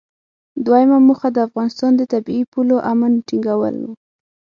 دویمه موخه د افغانستان د طبیعي پولو امن ټینګول و.